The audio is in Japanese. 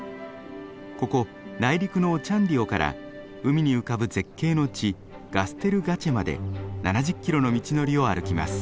ここ内陸のオチャンディオから海に浮かぶ絶景の地ガステルガチェまで７０キロの道のりを歩きます。